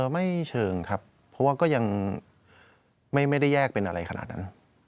ไม่เชิงครับเพราะว่าก็ยังไม่ได้แยกเป็นอะไรขนาดนั้น